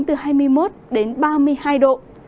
từ hai mươi một đến ba mươi hai độ